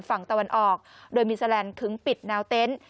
ฝั่งตะวันออกโดยมีแสลนขึ้นปิดนาวเต้น